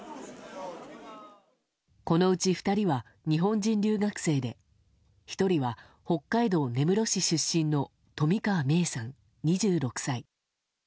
このうち２人は日本人留学生で１人は北海道根室市出身の冨川芽生さん、２６歳。